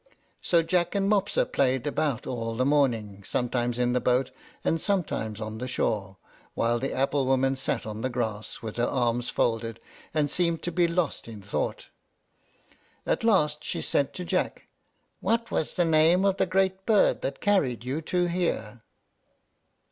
So Jack and Mopsa played about all the morning, sometimes in the boat and sometimes on the shore, while the apple woman sat on the grass, with her arms folded, and seemed to be lost in thought. At last she said to Jack, "What was the name of the great bird that carried you two here?"